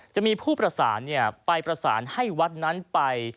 จะมีผู้ประสานไปประสานให้วัดนั้นไป